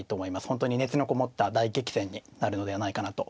本当に熱のこもった大激戦になるのではないかなと思います。